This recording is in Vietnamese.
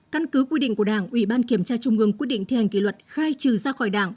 căn cứ quy định của đảng ủy ban kiểm tra trung ương quy định thi hành kỷ luật khai trừ ra khỏi đảng